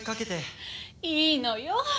いいのよ。